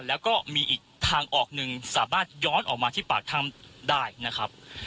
แล้วก็มีอีกทางออกหนึ่งสามารถย้อนออกมาที่ปากถ้ำได้นะครับ